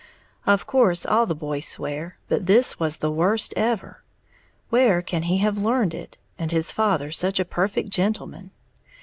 Of course all the boys swear; but this was the worst ever. Where can he have learned it, and his father such a perfect gentleman?